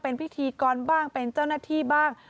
เป็นพิธีกรบ้างเป็นเจ้าหน้าที่บ้าง